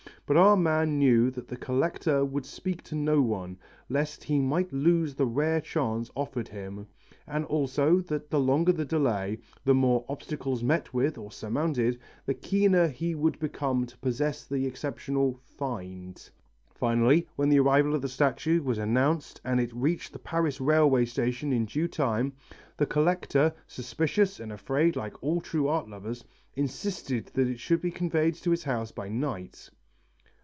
But our man knew that the collector would speak to no one, lest he might lose the rare chance offered him, and also that the longer the delay, the more obstacles met with or surmounted, the keener would he become to possess the exceptional "find." Finally, when the arrival of the statue was announced and it reached the Paris railway station in due time, the collector, suspicious and afraid like all true art lovers, insisted that it should be conveyed to his house by night.